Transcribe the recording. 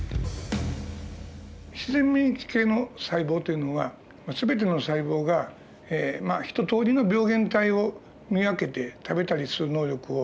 自然免疫系の細胞というのは全ての細胞が一とおりの病原体を見分けて食べたりする能力を持っていると。